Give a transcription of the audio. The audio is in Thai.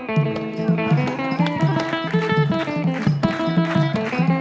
โอ้โฮ